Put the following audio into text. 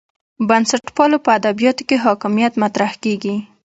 بنسټپالو په ادبیاتو کې حاکمیت مطرح کېږي.